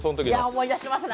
思い出しますね。